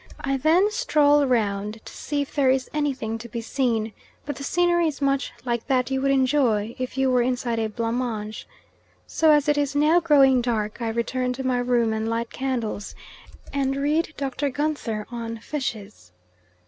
I then stroll round to see if there is anything to be seen, but the scenery is much like that you would enjoy if you were inside a blanc mange. So as it is now growing dark I return to my room and light candles, and read Dr. Gunther on Fishes.